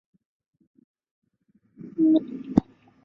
多倍体的细胞则有更多套的染色体。